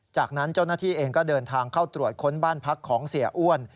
จากนั้นเจ้าหน้าที่เองก็เดินทางเข้าตรวจค้นบ้านพักของเสียอ้วน